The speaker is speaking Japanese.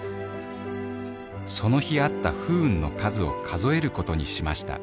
その日あった不運の数を数えることにしました。